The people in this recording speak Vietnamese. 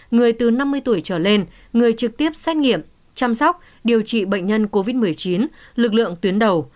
người từ năm mươi tuổi trở lên người trực tiếp xét nghiệm chăm sóc điều trị bệnh nhân covid một mươi chín lực lượng tuyến đầu